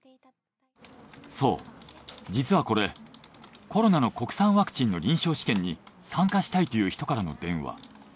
そう実はこれコロナの国産ワクチンの臨床試験に参加したいという人からの電話。